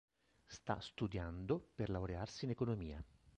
Sta studiando per laurearsi in Economia.